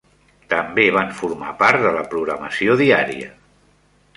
També van formar part de la programació diària.